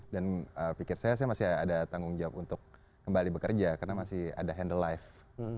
dan pikir saya saya masih ada tanggung jawab untuk kembali bekerja karena masih ada handle life